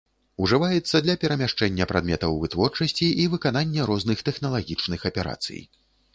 Ужываецца для перамяшчэння прадметаў вытворчасці і выканання розных тэхналагічных аперацый.